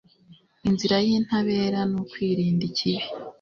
Inzira y’intabera ni ukwirinda ikibi